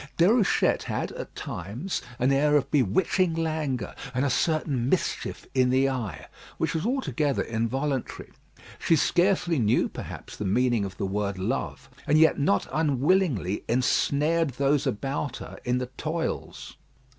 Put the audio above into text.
Déruchette had, at times, an air of bewitching langour, and a certain mischief in the eye, which were altogether involuntary. She scarcely knew, perhaps, the meaning of the word love, and yet not unwillingly ensnared those about her in the toils.